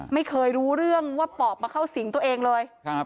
ไม่เคยรู้เรื่องว่าปอบมาเข้าสิงตัวเองเลย